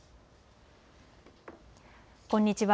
こんにちは。